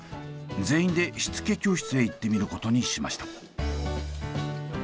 全員でしつけ教室へ行ってみることにしました。